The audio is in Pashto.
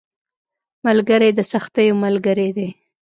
ملګری د سختیو ملګری دی